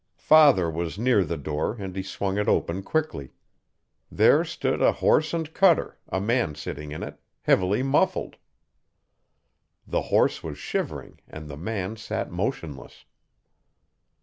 Father was near the door and he swung it open quickly. There stood a horse and cutter, a man sitting in it, heavily muffled. The horse was shivering and the man sat motionless.